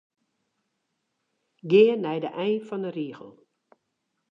Gean nei de ein fan 'e rigel.